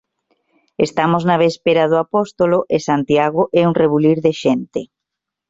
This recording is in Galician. Estamos na véspera do Apóstolo e Santiago é un rebulir de xente.